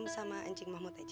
sama ancing mahmud aja